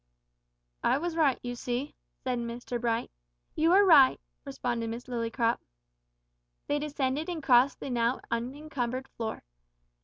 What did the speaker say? "I was right, you see," said Mr Bright. "You were right," responded Miss Lillycrop. They descended and crossed the now unencumbered floor.